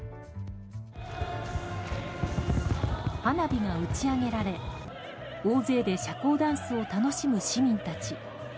花火が打ち上げられ、大勢で社交ダンスを楽しむ市民たち。